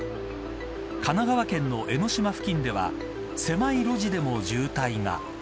神奈川県の江ノ島付近では狭い路地でも渋滞が。